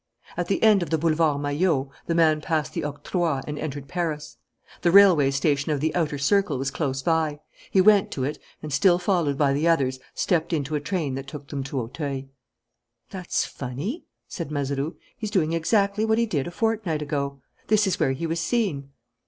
At the end of the Boulevard Maillot, the man passed the octroi and entered Paris. The railway station of the outer circle was close by. He went to it and, still followed by the others, stepped into a train that took them to Auteuil. "That's funny," said Mazeroux. "He's doing exactly what he did a fortnight ago. This is where he was seen."